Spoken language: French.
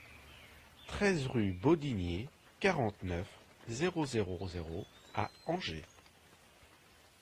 treize rue Bodinier, quarante-neuf, zéro zéro zéro à Angers